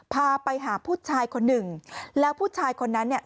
พาไปหาผู้ชายคนหนึ่งแล้วผู้ชายคนนั้นเนี่ย